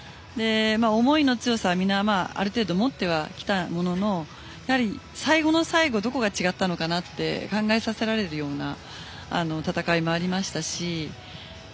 思いの強さはみんなある程度持ってきたものの最後の最後どこが違ったのかなと考えさせられるような戦いもありましたし。